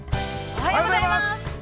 ◆おはようございます。